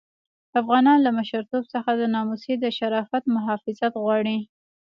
افغانان له مشرتوب څخه د ناموس د شرافت محافظت غواړي.